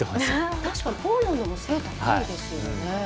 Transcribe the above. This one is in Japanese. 確かにポーランドも背が高いですよね。